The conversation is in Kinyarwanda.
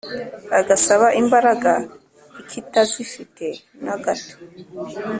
agasaba imbaraga ikitazifite na gato.